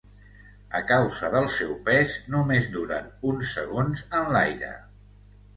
A causa del seu pes, només duren uns segons en l’aire.